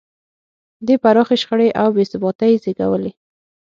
دې پراخې شخړې او بې ثباتۍ وزېږولې.